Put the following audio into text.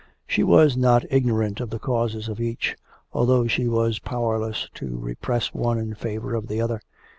She was not ignorant of the causes of each, although she was powerless to repress one in favour of the other.